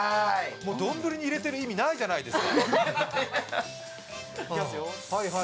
丼に入れてる意味ないじゃないですか。